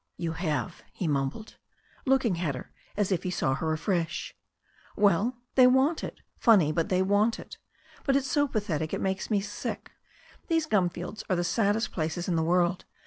"You have !" he mumbled, looking at her as if he saw her afresh. ^ "Well, they want it. Funny, but they want it. But it's so pathetic, it makes me sick. These g^m fields are the saddest places in the world.